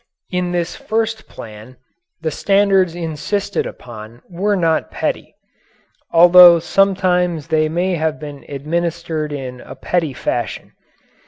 In this first plan the standards insisted upon were not petty although sometimes they may have been administered in a petty fashion.